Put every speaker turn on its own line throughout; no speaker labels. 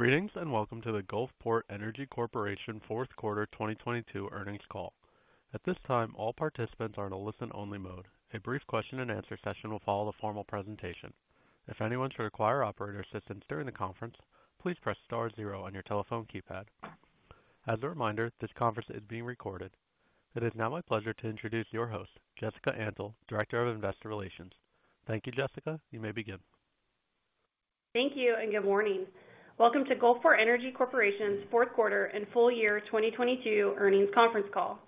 Greetings, welcome to the Gulfport Energy Corporation Fourth Quarter 2022 Earnings Call. At this time, all participants are in a listen-only mode. A brief question and answer session will follow the formal presentation. If anyone should require operator assistance during the conference, please press star zero on your telephone keypad. As a reminder, this conference is being recorded. It is now my pleasure to introduce your host, Jessica Antle, Director of Investor Relations. Thank you, Jessica. You may begin.
Thank you. Good morning. Welcome to Gulfport Energy Corporation's fourth quarter and full year 2022 earnings conference call.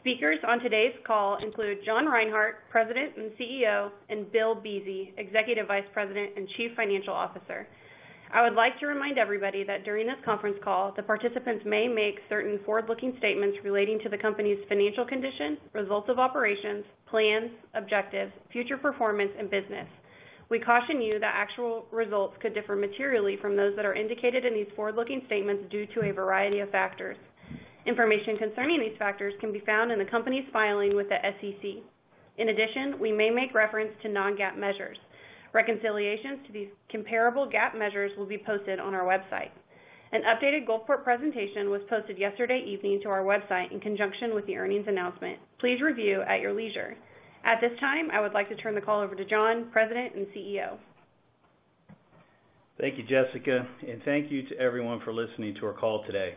Speakers on today's call include John Reinhart, President and CEO, and Bill Buese, Executive Vice President and Chief Financial Officer. I would like to remind everybody that during this conference call, the participants may make certain forward-looking statements relating to the company's financial condition, results of operations, plans, objectives, future performance, and business. We caution you that actual results could differ materially from those that are indicated in these forward-looking statements due to a variety of factors. Information concerning these factors can be found in the company's filing with the SEC. We may make reference to non-GAAP measures. Reconciliations to these comparable GAAP measures will be posted on our website. An updated Gulfport presentation was posted yesterday evening to our website in conjunction with the earnings announcement. Please review at your leisure. At this time, I would like to turn the call over to John, President and CEO.
Thank you, Jessica, and thank you to everyone for listening to our call today.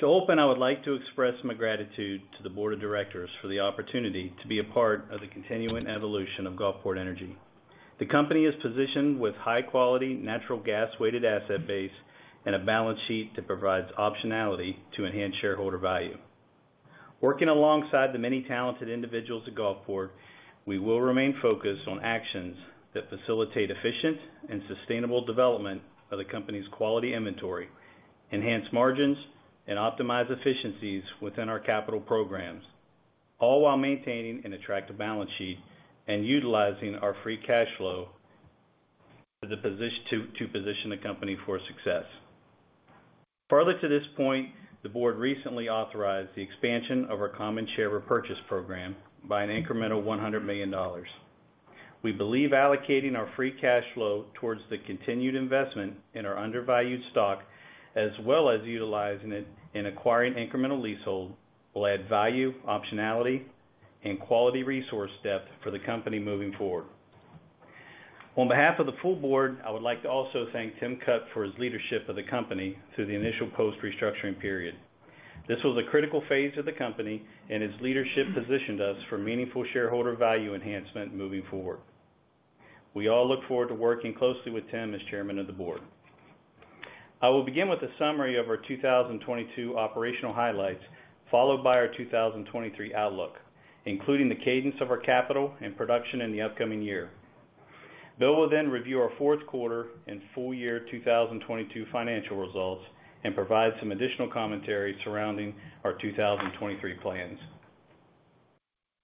To open, I would like to express my gratitude to the Board of Directors for the opportunity to be a part of the continuing evolution of Gulfport Energy. The company is positioned with high-quality natural gas-weighted asset base and a balance sheet that provides optionality to enhance shareholder value. Working alongside the many talented individuals at Gulfport, we will remain focused on actions that facilitate efficient and sustainable development of the company's quality inventory, enhance margins, and optimize efficiencies within our capital programs, all while maintaining an attractive balance sheet and utilizing our free cash flow to position the company for success. Further to this point, the Board recently authorized the expansion of our common share repurchase program by an incremental $100 million. We believe allocating our free cash flow towards the continued investment in our undervalued stock, as well as utilizing it in acquiring incremental leasehold, will add value, optionality, and quality resource depth for the company moving forward. On behalf of the full board, I would like to also thank Timothy Cutt for his leadership of the company through the initial post-restructuring period. This was a critical phase of the company, and his leadership positioned us for meaningful shareholder value enhancement moving forward. We all look forward to working closely with Tim as Chairman of the Board. I will begin with a summary of our 2022 operational highlights, followed by our 2023 outlook, including the cadence of our capital and production in the upcoming year. Bill will review our fourth quarter and full year 2022 financial results and provide some additional commentary surrounding our 2023 plans.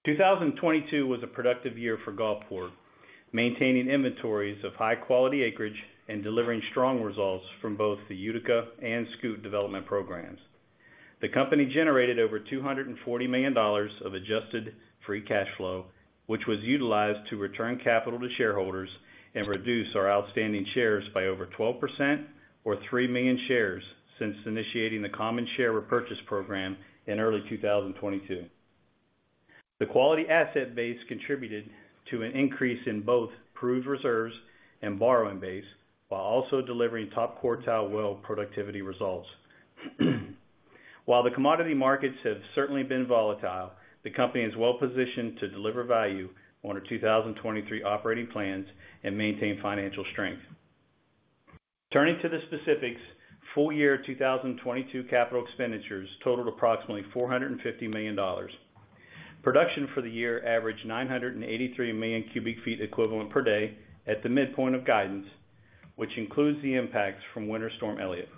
2022 was a productive year for Gulfport, maintaining inventories of high quality acreage and delivering strong results from both the Utica and SCOOP development programs. The company generated over $240 million of adjusted free cash flow, which was utilized to return capital to shareholders and reduce our outstanding shares by over 12%, or 3 million shares since initiating the common share repurchase program in early 2022. The quality asset base contributed to an increase in both proved reserves and borrowing base, while also delivering top quartile well productivity results. The commodity markets have certainly been volatile, the company is well positioned to deliver value on our 2023 operating plans and maintain financial strength. Turning to the specifics, full year 2022 capital expenditures totaled approximately $450 million. Production for the year averaged 983 million cubic feet equivalent per day at the midpoint of guidance, which includes the impacts from Winter Storm Elliott.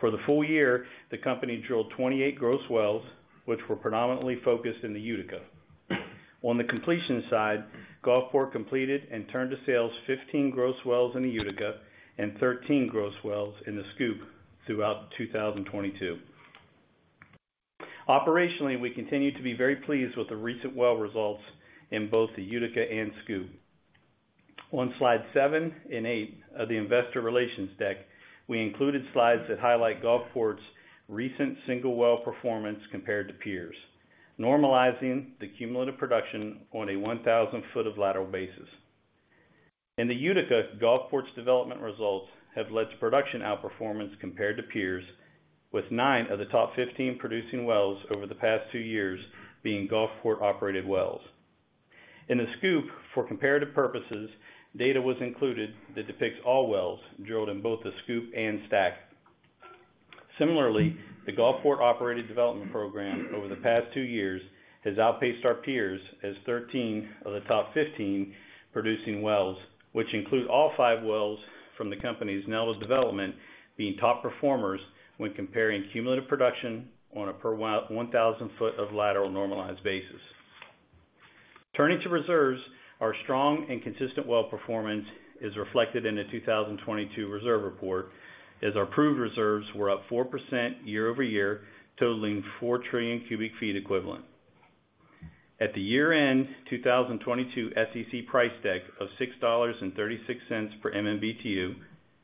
For the full year, the company drilled 28 gross wells, which were predominantly focused in the Utica. On the completion side, Gulfport completed and turned to sales 15 gross wells in the Utica and 13 gross wells in the SCOOP throughout 2022. Operationally, we continue to be very pleased with the recent well results in both the Utica and SCOOP. On slide 7 and 8 of the investor relations deck, we included slides that highlight Gulfport's recent single well performance compared to peers, normalizing the cumulative production on a 1,000 foot of lateral basis. In the Utica, Gulfport's development results have led to production outperformance compared to peers, with nine of the top 15 producing wells over the past two years being Gulfport-operated wells. In the SCOOP, for comparative purposes, data was included that depicts all wells drilled in both the SCOOP and Stack. Similarly, the Gulfport-operated development program over the past two years has outpaced our peers as 13 of the top 15 producing wells, which include all five wells from the company's new well development being top performers when comparing cumulative production on a per 1,000 foot of lateral normalized basis. Turning to reserves, our strong and consistent well performance is reflected in the 2022 reserve report, as our proved reserves were up 4% year-over-year, totaling 4 trillion cu ft equivalent. At the year-end 2022 SEC price deck of $6.36 per MMBtu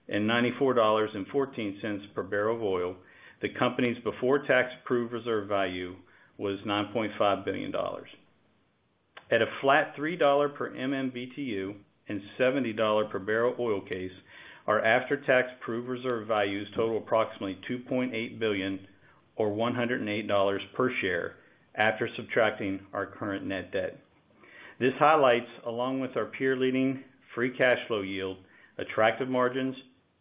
and $94.14 per barrel of oil, the company's before-tax proved reserve value was $9.5 billion. At a flat $3 per MMBtu and $70 per barrel oil case, our after-tax proved reserve values total approximately $2.8 billion or $108 per share after subtracting our current net debt. This highlights, along with our peer-leading free cash flow yield, attractive margins,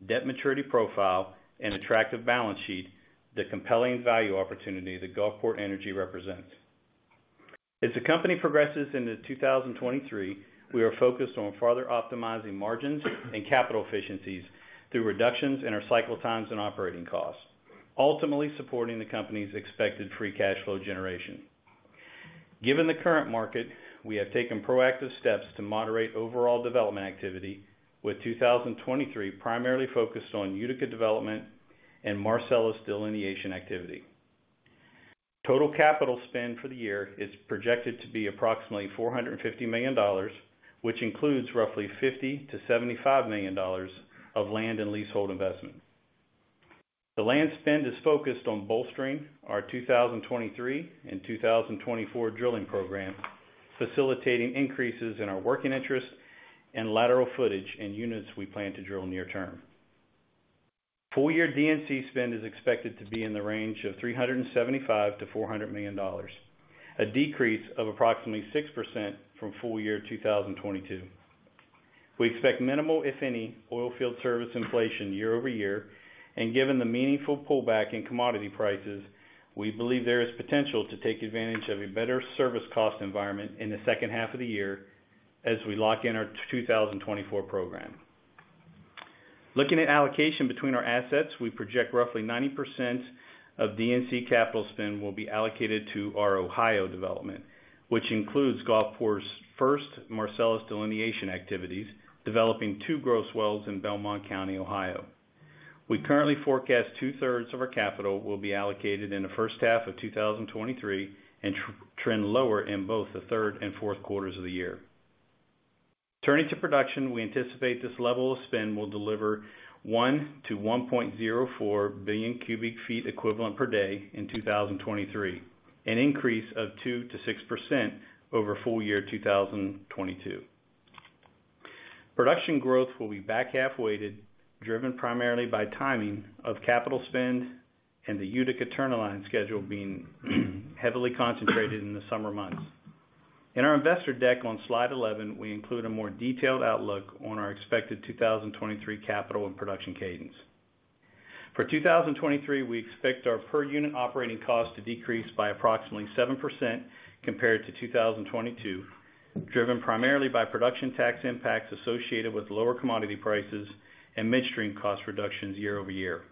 debt maturity profile, and attractive balance sheet, the compelling value opportunity that Gulfport Energy represents. As the company progresses into 2023, we are focused on further optimizing margins and capital efficiencies through reductions in our cycle times and operating costs, ultimately supporting the company's expected free cash flow generation. Given the current market, we have taken proactive steps to moderate overall development activity, with 2023 primarily focused on Utica development and Marcellus delineation activity. Total capital spend for the year is projected to be approximately $450 million, which includes roughly $50 million-$75 million of land and leasehold investment. The land spend is focused on bolstering our 2023 and 2024 drilling program, facilitating increases in our working interest and lateral footage in units we plan to drill near term. Full-year D&C spend is expected to be in the range of $375 million-$400 million, a decrease of approximately 6% from full year 2022. We expect minimal, if any, oil field service inflation year-over-year. Given the meaningful pullback in commodity prices, we believe there is potential to take advantage of a better service cost environment in the second half of the year as we lock in our 2024 program. Looking at allocation between our assets, we project roughly 90% of D&C capital spend will be allocated to our Ohio development, which includes Gulfport's first Marcellus delineation activities, developing two gross wells in Belmont County, Ohio. We currently forecast 2/3 of our capital will be allocated in the first half of 2023, trend lower in both the third and fourth quarters of the year. Turning to production, we anticipate this level of spend will deliver 1.0-1.04 billion cu ft equivalent per day in 2023, an increase of 2%-6% over full year 2022. Production growth will be back-half weighted, driven primarily by timing of capital spend and the Utica turn-in-line schedule being heavily concentrated in the summer months. In our investor deck on slide 11, we include a more detailed outlook on our expected 2023 capital and production cadence. For 2023, we expect our per-unit operating cost to decrease by approximately 7% compared to 2022, driven primarily by production tax impacts associated with lower commodity prices and midstream cost reductions year-over-year.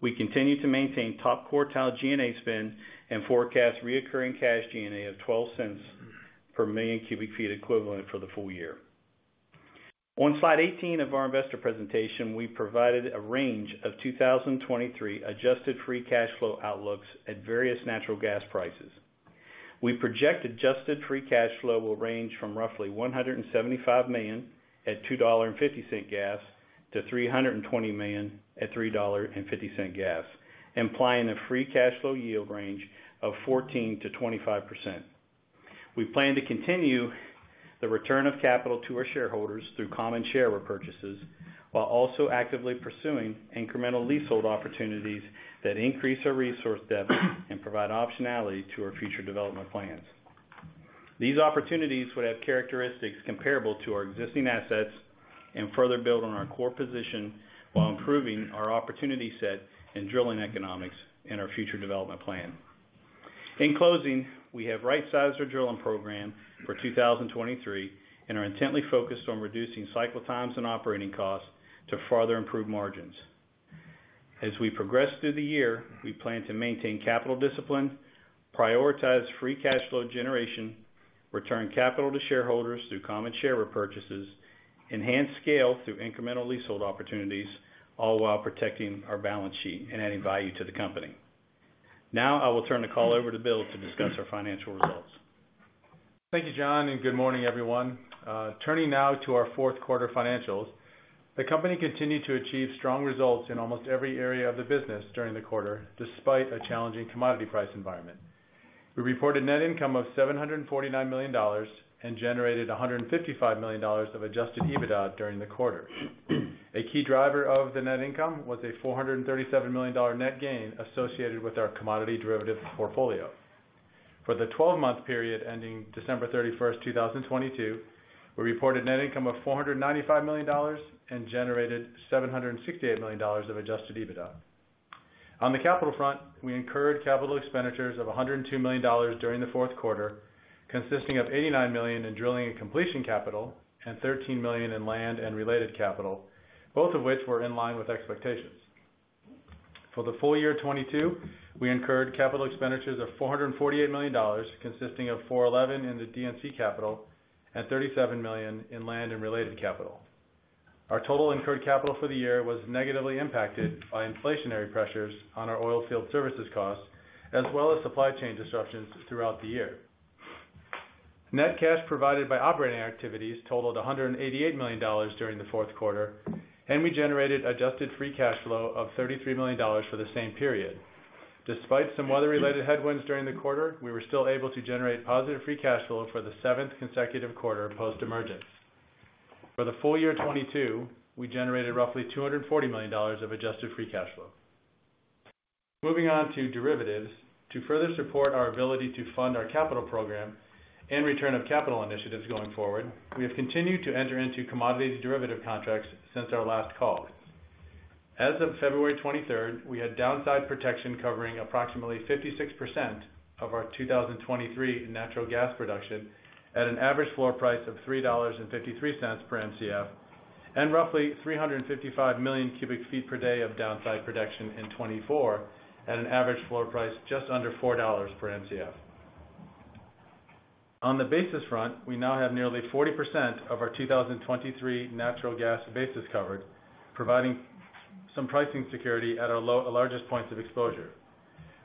We continue to maintain top quartile G&A spend and forecast recurring cash G&A of $0.12 per million cu ft equivalent for the full year. On slide 18 of our investor presentation, we provided a range of 2023 adjusted free cash flow outlooks at various natural gas prices. We project adjusted free cash flow will range from roughly $175 million at $2.50 gas to $320 million at $3.50 gas, implying a free cash flow yield range of 14%-25%. We plan to continue the return of capital to our shareholders through common share repurchases, while also actively pursuing incremental leasehold opportunities that increase our resource depth and provide optionality to our future development plans. These opportunities would have characteristics comparable to our existing assets and further build on our core position while improving our opportunity set and drilling economics in our future development plan. In closing, we have right-sized our drilling program for 2023 and are intently focused on reducing cycle times and operating costs to further improve margins. As we progress through the year, we plan to maintain capital discipline, prioritize free cash flow generation, return capital to shareholders through common share repurchases, enhance scale through incremental leasehold opportunities, all while protecting our balance sheet and adding value to the company. I will turn the call over to Bill to discuss our financial results.
Thank you, John, and good morning, everyone. Turning now to our fourth quarter financials. The company continued to achieve strong results in almost every area of the business during the quarter, despite a challenging commodity price environment. We reported net income of $749 million and generated $155 million of adjusted EBITDA during the quarter. A key driver of the net income was a $437 million net gain associated with our commodity derivative portfolio. For the 12-month period ending December 31st, 2022, we reported net income of $495 million and generated $768 million of adjusted EBITDA. On the capital front, we incurred capital expenditures of $102 million during the fourth quarter, consisting of $89 million in drilling and completion capital and $13 million in land and related capital, both of which were in line with expectations. For the full year 2022, we incurred capital expenditures of $448 million, consisting of $411 million in the D&C capital and $37 million in land and related capital. Our total incurred capital for the year was negatively impacted by inflationary pressures on our oil field services costs as well as supply chain disruptions throughout the year. Net cash provided by operating activities totaled $188 million during the fourth quarter. We generated adjusted free cash flow of $33 million for the same period. Despite some weather-related headwinds during the quarter, we were still able to generate positive free cash flow for the seventh consecutive quarter post-emergence. For the full year 2022, we generated roughly $240 million of adjusted free cash flow. Moving on to derivatives. To further support our ability to fund our capital program and return of capital initiatives going forward, we have continued to enter into commodities derivative contracts since our last call. As of February 23rd, we had downside protection covering approximately 56% of our 2023 natural gas production at an average floor price of $3.53 per Mcf and roughly 355 million cubic feet per day of downside protection in 2024 at an average floor price just under $4 per Mcf. On the basis front, we now have nearly 40% of our 2023 natural gas basis covered, providing some pricing security at our largest points of exposure.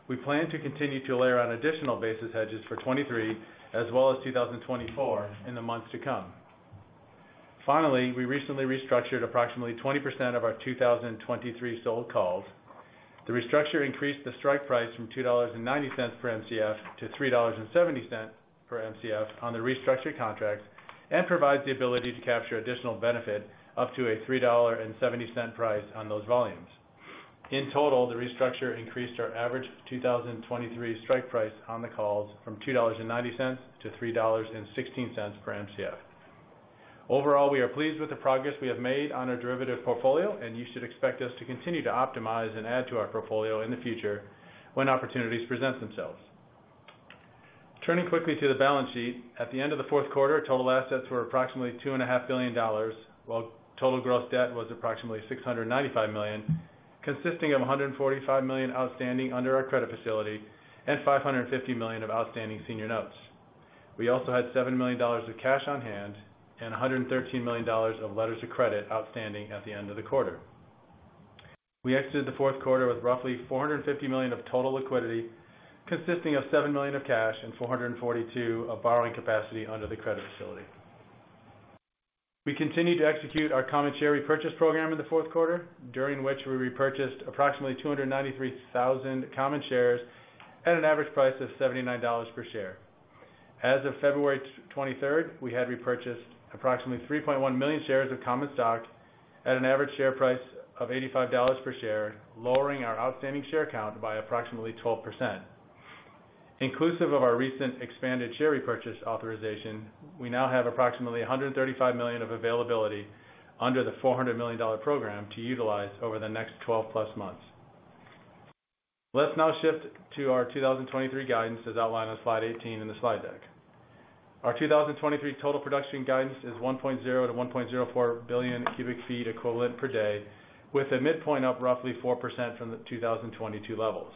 We plan to continue to layer on additional basis hedges for 2023 as well as 2024 in the months to come. Finally, we recently restructured approximately 20% of our 2023 sold calls. The restructure increased the strike price from $2.90 per Mcf to $3.70 per Mcf on the restructured contracts and provides the ability to capture additional benefit up to a $3.70 price on those volumes. In total, the restructure increased our average 2023 strike price on the calls from $2.90 to $3.16 per Mcf. Overall, we are pleased with the progress we have made on our derivative portfolio, and you should expect us to continue to optimize and add to our portfolio in the future when opportunities present themselves. Turning quickly to the balance sheet. At the end of the fourth quarter, total assets were approximately $2.5 billion, while total gross debt was approximately $695 million, consisting of $145 million outstanding under our credit facility and $550 million of outstanding senior notes. We also had $7 million of cash on hand and $113 million of letters of credit outstanding at the end of the quarter. We exited the fourth quarter with roughly $450 million of total liquidity, consisting of $7 million of cash and $442 of borrowing capacity under the credit facility. We continued to execute our common share repurchase program in the fourth quarter, during which we repurchased approximately 293,000 common shares at an average price of $79 per share. As of February 23rd, we had repurchased approximately 3.1 million shares of common stock at an average share price of $85 per share, lowering our outstanding share count by approximately 12%. Inclusive of our recent expanded share repurchase authorization, we now have approximately $135 million of availability under the $400 million program to utilize over the next 12+ months. Let's now shift to our 2023 guidance as outlined on slide 18 in the slide deck. Our 2023 total production guidance is 1.0-1.04 billion cu ft equivalent per day, with a midpoint up roughly 4% from the 2022 levels.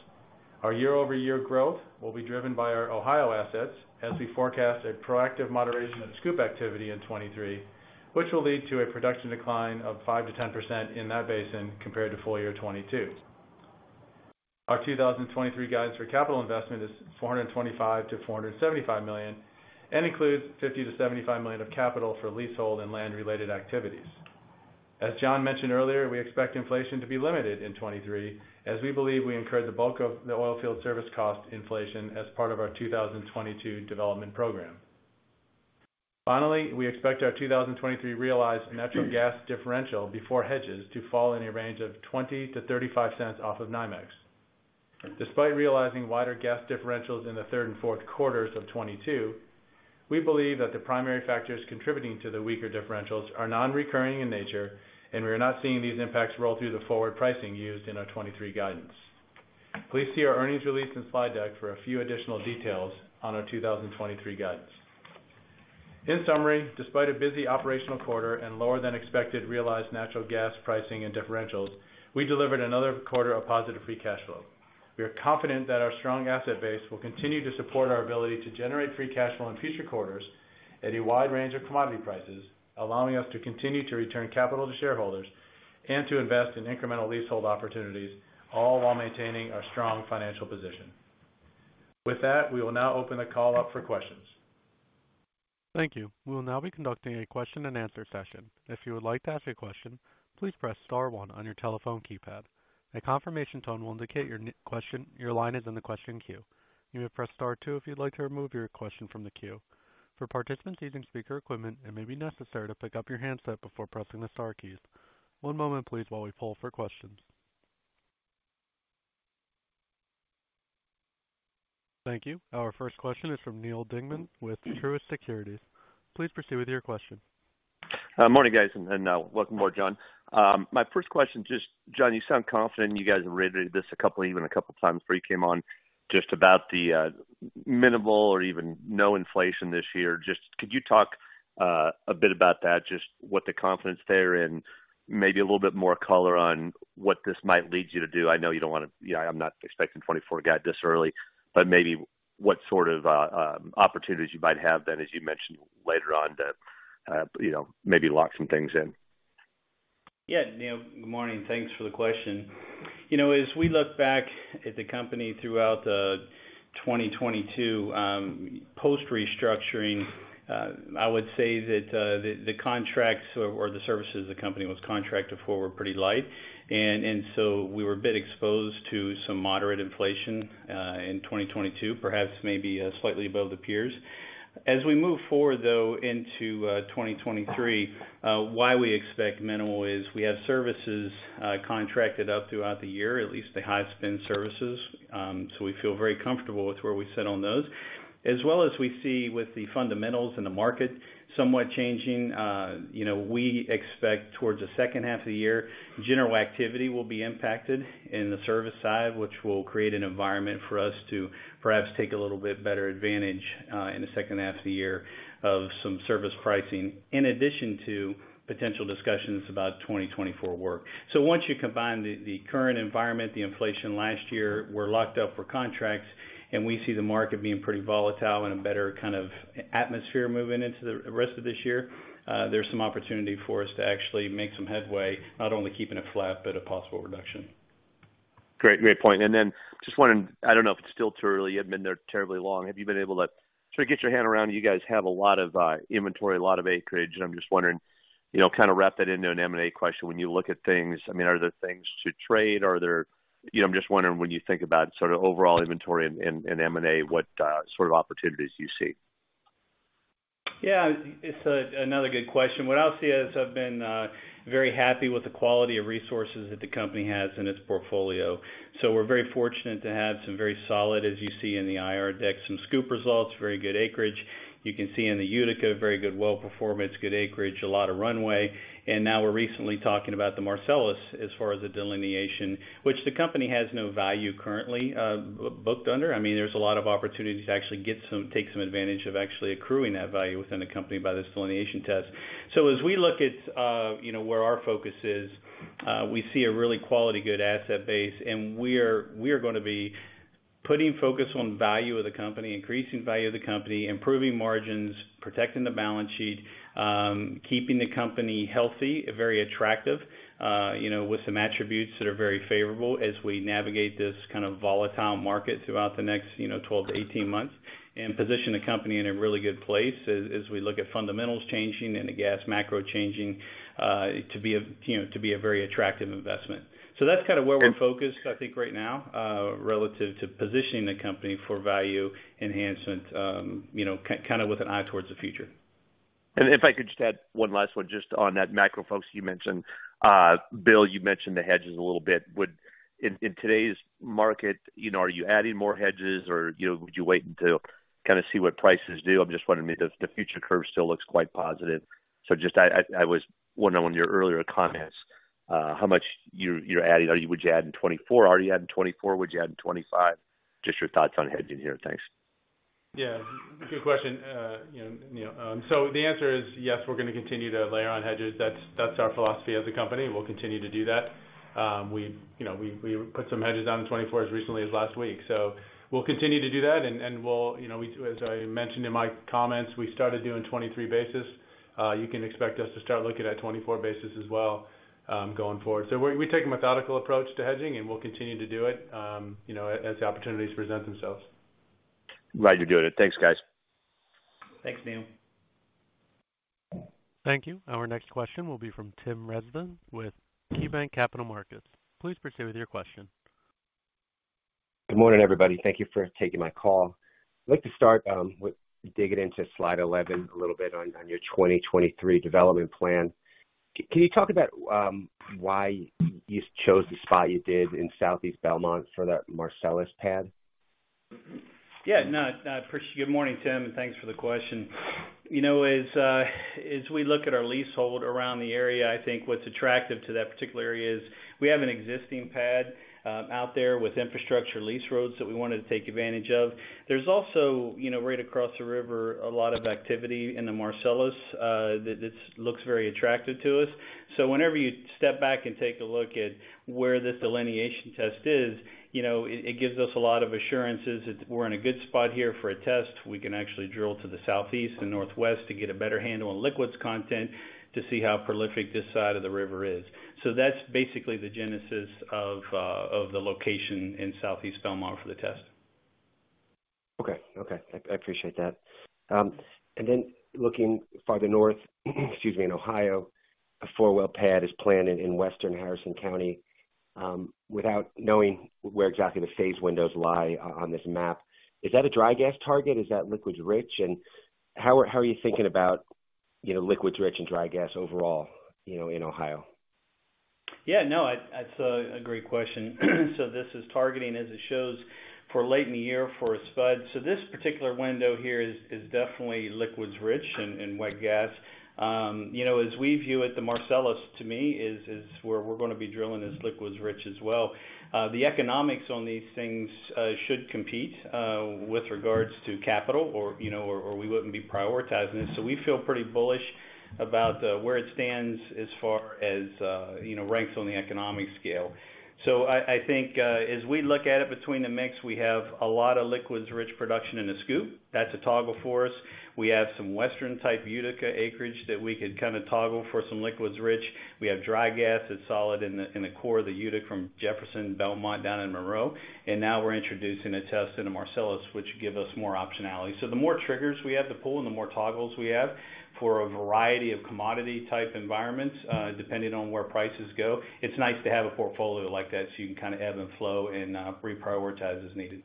Our year-over-year growth will be driven by our Ohio assets as we forecast a proactive moderation of SCOOP activity in 2023, which will lead to a production decline of 5%-10% in that basin compared to full year 2022. Our 2023 guidance for capital investment is $425 million-$475 million and includes $50 million-$75 million of capital for leasehold and land-related activities. As John mentioned earlier, we expect inflation to be limited in 2023 as we believe we incurred the bulk of the oil field service cost inflation as part of our 2022 development program. Finally, we expect our 2023 realized natural gas differential before hedges to fall in a range of $0.20-$0.35 off of NYMEX. Despite realizing wider gas differentials in the third and fourth quarters of 2022, we believe that the primary factors contributing to the weaker differentials are non-recurring in nature, and we are not seeing these impacts roll through the forward pricing used in our 2023 guidance. Please see our earnings release and slide deck for a few additional details on our 2023 guidance. In summary, despite a busy operational quarter and lower than expected realized natural gas pricing and differentials, we delivered another quarter of positive free cash flow. We are confident that our strong asset base will continue to support our ability to generate free cash flow in future quarters at a wide range of commodity prices, allowing us to continue to return capital to shareholders and to invest in incremental leasehold opportunities, all while maintaining our strong financial position. We will now open the call up for questions.
Thank you. We will now be conducting a question and answer session. If you would like to ask a question, please press star one on your telephone keypad. A confirmation tone will indicate your line is in the question queue. You may press star two if you'd like to remove your question from the queue. For participants using speaker equipment, it may be necessary to pick up your handset before pressing the star keys. One moment please while we poll for questions. Thank you. Our first question is from Neal Dingmann with Truist Securities. Please proceed with your question.
Morning, guys, and welcome aboard, John. My first question, just John, you sound confident, you guys have reiterated this even a couple times before you came on, just about the minimal or even no inflation this year. Just could you talk a bit about that, just what the confidence there and maybe a little bit more color on what this might lead you to do? I know you don't wanna, you know, I'm not expecting 2024 guide this early, but maybe what sort of opportunities you might have then, as you mentioned later on, to, you know, maybe lock some things in.
Yeah, Neal, good morning. Thanks for the question. You know, as we look back at the company throughout 2022, post-restructuring, I would say that the contracts or the services the company was contracted for were pretty light. So we were a bit exposed to some moderate inflation in 2022, perhaps maybe slightly above the peers. As we move forward though into 2023, why we expect minimal is we have services contracted out throughout the year, at least the high spend services. So we feel very comfortable with where we sit on those. As well as we see with the fundamentals in the market somewhat changing, you know, we expect towards the second half of the year, general activity will be impacted in the service side, which will create an environment for us to perhaps take a little bit better advantage, in the second half of the year of some service pricing, in addition to potential discussions about 2024 work. Once you combine the current environment, the inflation last year, we're locked up for contracts, and we see the market being pretty volatile and a better kind of atmosphere moving into the rest of this year, there's some opportunity for us to actually make some headway, not only keeping it flat, but a possible reduction.
Great. Great point. Just wondering, I don't know if it's still too early, you haven't been there terribly long. Have you been able to sort of get your hand around you guys have a lot of inventory, a lot of acreage, I'm just wondering, you know, kind of wrap that into an M&A question. When you look at things, I mean, are there things to trade? You know, I'm just wondering, when you think about sort of overall inventory and M&A, what sort of opportunities do you see?
It's another good question. What I'll say is I've been very happy with the quality of resources that the company has in its portfolio. We're very fortunate to have some very solid, as you see in the IR deck, some SCOOP results, very good acreage. You can see in the Utica, very good well performance, good acreage, a lot of runway. Now we're recently talking about the Marcellus as far as the delineation, which the company has no value currently booked under. I mean, there's a lot of opportunities to actually take some advantage of actually accruing that value within the company by this delineation test. As we look at, you know, where our focus is, we see a really quality good asset base. We are gonna be putting focus on value of the company, increasing value of the company, improving margins, protecting the balance sheet, keeping the company healthy, very attractive, you know, with some attributes that are very favorable as we navigate this kind of volatile market throughout the next, you know, 12-18 months, and position the company in a really good place as we look at fundamentals changing and the gas macro changing, to be a, you know, to be a very attractive investment. That's kinda where we're focused, I think right now, relative to positioning the company for value enhancement, you know, kinda with an eye towards the future.
If I could just add one last one just on that macro focus you mentioned. Bill, you mentioned the hedges a little bit. In today's market, you know, are you adding more hedges or, you know, would you wait until kind of see what prices do? I'm just wondering if the future curve still looks quite positive. Just I, I was wondering on your earlier comments, how much you're adding. Would you add in 2024? Are you adding 2024? Would you add in 2025? Just your thoughts on hedging here. Thanks.
Yeah. Good question, you know, Neal. The answer is yes, we're gonna continue to layer on hedges. That's our philosophy as a company, and we'll continue to do that. We, you know, we put some hedges on in 2024 as recently as last week. We'll continue to do that, and we'll, you know, As I mentioned in my comments, we started doing 2023 basis. You can expect us to start looking at 2024 basis as well, going forward. We take a methodical approach to hedging, and we'll continue to do it, you know, as the opportunities present themselves.
Glad you're doing it. Thanks, guys.
Thanks, Neal.
Thank you. Our next question will be from Tim Rezvan with KeyBanc Capital Markets. Please proceed with your question.
Good morning, everybody. Thank you for taking my call. I'd like to start with digging into slide 11 a little bit on your 2023 development plan. Can you talk about why you chose the spot you did in Southeast Belmont for that Marcellus pad?
Yeah. No, Good morning, Tim, and thanks for the question. You know, as we look at our leasehold around the area, I think what's attractive to that particular area is we have an existing pad out there with infrastructure lease roads that we wanted to take advantage of. There's also, you know, right across the river, a lot of activity in the Marcellus that's looks very attractive to us. Whenever you step back and take a look at where this delineation test is, you know, it gives us a lot of assurances that we're in a good spot here for a test. We can actually drill to the southeast and northwest to get a better handle on liquids content to see how prolific this side of the river is. That's basically the genesis of the location in Southeast Belmont for the test.
Okay. I appreciate that. Then looking farther north, excuse me, in Ohio, a four-well pad is planned in western Harrison County. Without knowing where exactly the phase windows lie on this map, is that a dry gas target? Is that liquids rich? How are you thinking about, you know, liquids rich and dry gas overall, you know, in Ohio?
Yeah, no, it's a great question. This is targeting, as it shows, for late in the year for a spud. This particular window here is definitely liquids rich and wet gas. You know, as we view it, the Marcellus to me is where we're gonna be drilling is liquids rich as well. The economics on these things should compete with regards to capital or, you know, or we wouldn't be prioritizing it. We feel pretty bullish about where it stands as far as, you know, ranks on the economic scale. I think, as we look at it between the mix, we have a lot of liquids rich production in the SCOOP. That's a toggle for us. We have some western type Utica acreage that we could kinda toggle for some liquids rich. We have dry gas that's solid in the, in the core of the Utica from Jefferson, Belmont down in Monroe. Now we're introducing a test in the Marcellus, which give us more optionality. The more triggers we have to pull and the more toggles we have for a variety of commodity type environments, depending on where prices go, it's nice to have a portfolio like that so you can kinda ebb and flow and reprioritize as needed.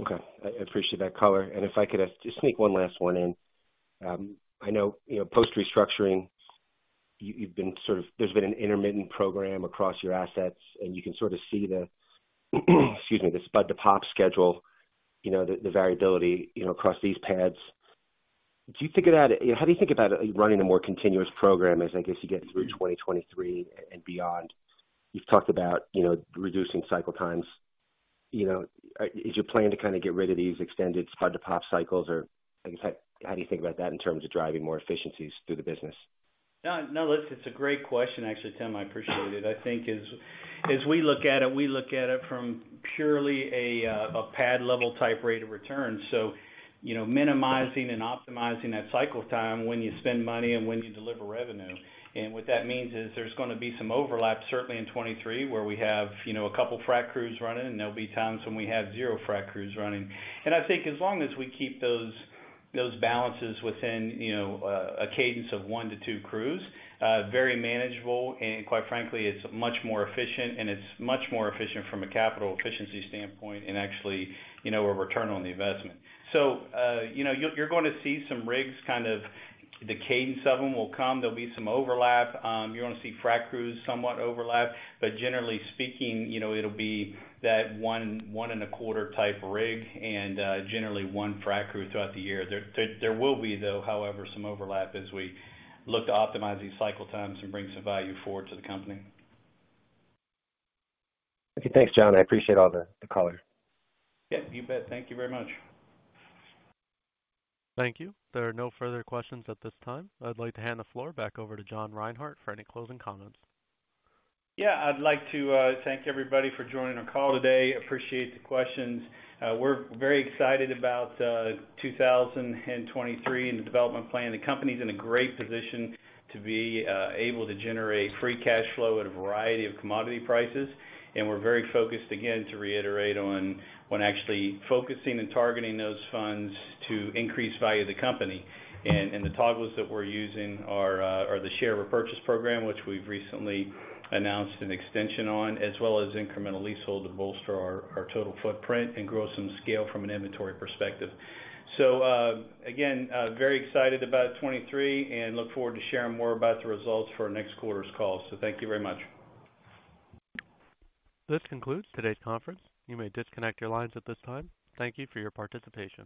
Okay. I appreciate that color. If I could ask, just sneak one last one in. I know, you know, post-restructuring you've been sort of there's been an intermittent program across your assets, and you can sort of see the, excuse me, the spud to pop schedule, you know, the variability, you know, across these pads. How do you think about it, running a more continuous program as, I guess, you get through 2023 and beyond? You've talked about, you know, reducing cycle times. You know, is your plan to kinda get rid of these extended spud to pop cycles? I guess, how do you think about that in terms of driving more efficiencies through the business?
No, no, look, it's a great question, actually, Tim. I appreciate it. I think as we look at it, we look at it from purely a pad level type rate of return. Minimizing and optimizing that cycle time when you spend money and when you deliver revenue. What that means is there's gonna be some overlap, certainly in 2023, where we have, you know, a couple frack crews running, and there'll be times when we have zero frack crews running. I think as long as we keep those balances within, you know, a cadence of one to two crews, very manageable, and quite frankly, it's much more efficient and it's much more efficient from a capital efficiency standpoint and actually, you know, a return on the investment. you know, you're gonna see some rigs kind of the cadence of them will come. There'll be some overlap. you're gonna see frack crews somewhat overlap. Generally speaking, you know, it'll be that one-and-a-quarter type rig and, generally one frack crew throughout the year. There will be, though, however, some overlap as we look to optimize these cycle times and bring some value forward to the company.
Okay, thanks, John. I appreciate all the color.
Yeah, you bet. Thank you very much.
Thank you. There are no further questions at this time. I'd like to hand the floor back over to John Reinhart for any closing comments.
Yeah, I'd like to thank everybody for joining our call today. Appreciate the questions. We're very excited about 2023 and the development plan. The company's in a great position to be able to generate free cash flow at a variety of commodity prices, and we're very focused, again, to reiterate on when actually focusing and targeting those funds to increase value of the company. The toggles that we're using are the share repurchase program, which we've recently announced an extension on, as well as incremental leasehold to bolster our total footprint and grow some scale from an inventory perspective. Again, very excited about 2023 and look forward to sharing more about the results for our next quarter's call. Thank you very much.
This concludes today's conference. You may disconnect your lines at this time. Thank you for your participation.